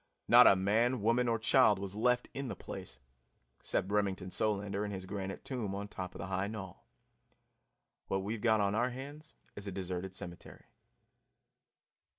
Not a man, woman or child was left in the place except Remington Solander in his granite tomb on top of the high knoll. What we've got on our hands is a deserted cemetery.